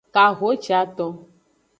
Kahiciaton.